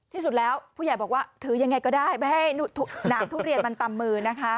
ที่สุดแล้วผู้ใหญ่บอกว่าถือยังไงก็ได้ไม่ให้น้ำทุเรียนมันตำมือนะคะ